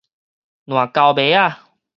爛溝糜仔